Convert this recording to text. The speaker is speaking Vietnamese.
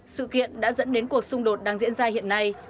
sự kiện đã dẫn đến cuộc xung đột đang diễn ra hiện nay